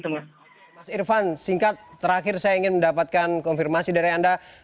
mas irfan singkat terakhir saya ingin mendapatkan konfirmasi dari anda